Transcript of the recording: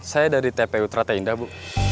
saya dari tpu trata indah bu